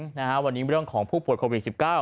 วันนี้เรื่องของผู้ป่วยโควิด๑๙